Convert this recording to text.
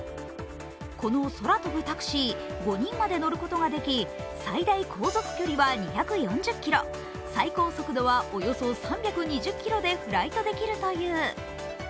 この空飛ぶタクシー、５人まで乗ることができ最大航続距離は２４０ｋｍ、最高速度はおよそ３２０キロでフライトできるという。